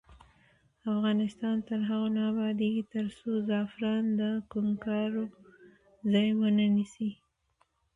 افغانستان تر هغو نه ابادیږي، ترڅو زعفران د کوکنارو ځای ونه نیسي.